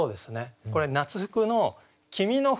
これ「夏服の君